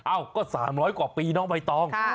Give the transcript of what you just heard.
เอ้าก็๓๐๐กว่าปีน้องใบตอง